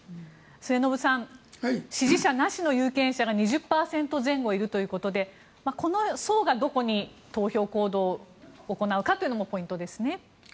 末延さん支持者なしの有権者が２０％前後いるということでこの層がどこに投票行動を行うかというのもポイントですね。